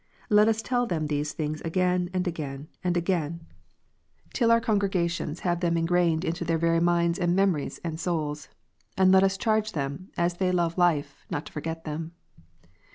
Let us tell them these things again, and again, and again, till our congregations have them THE LORD S SUPPEK. 183 ingrained into their very minds and memories and souls, and let us charge them, as they love life, not to forget them.